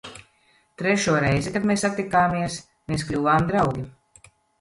Trešo reizi, kad mēs satikāmies, mēs kļuvām draugi.